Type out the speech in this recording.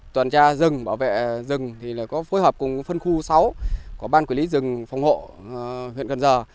toàn tra rừng bảo vệ rừng thì có phối hợp cùng phân khu sáu của ban quản lý rừng phòng hộ huyện cần giờ